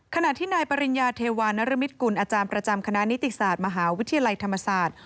ขณะที่นายปริญญาเทวานรมิตกุลอาจารย์ประจำคณะนิติศาสตร์มหาวิทยาลัยธรรมศาสตร์